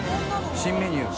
「新メニュー」